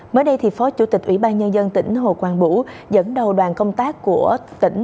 mới đây thì phó chủ tịch ủy ban nhân dân tỉnh hồ quang bũ dẫn đầu đoàn công tác của tỉnh